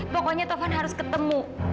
pokoknya taufan harus ketemu